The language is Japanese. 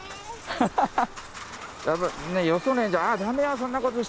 ハハハッ！